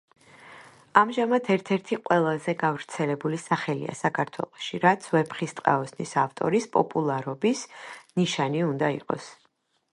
ამჟამად ერთ-ერთი ყველაზე გავრცელებული სახელია საქართველოში, რაც „ვეფხისტყაოსნის“ ავტორის პოპულარობის ნიშანი უნდა იყოს.